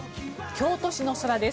京都市の空です。